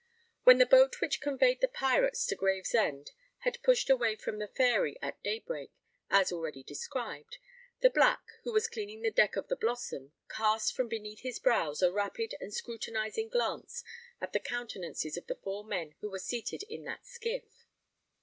When the boat which conveyed the pirates to Gravesend had pushed away from the Fairy at day break, as already described, the Black, who was cleaning the deck of the Blossom, cast from beneath his brows a rapid and scrutinising glance at the countenances of the four men who were seated in that skiff.